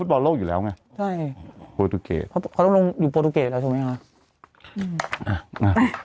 ต้องลงฟุตบอลโล่อยู่แล้วไงใช่เพราะต้องลงอยู่โปรดูเกรดแล้วถูกไหมครับ